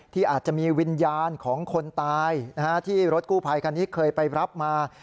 ที่อาจจะมีวิญญาณของคนตายที่รถกู้ภัยคันนี้เคยไปรับมา